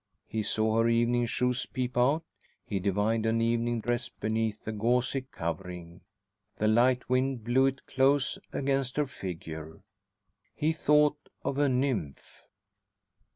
He saw her evening shoes peep out; he divined an evening dress beneath the gauzy covering. The light wind blew it close against her figure. He thought of a nymph.